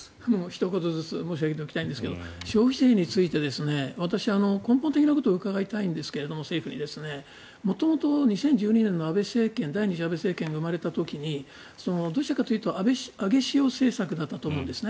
ひと言ずつ申し上げておきたいんですが消費税について、私根本的なことを政府に伺いたいんですが元々、２０１２年の第２次安倍政権が生まれた時にどうしたかというと上げ潮政策だったと思うんです。